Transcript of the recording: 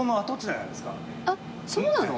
あっそうなの？